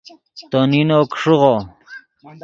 تو نینو کو ݰیغو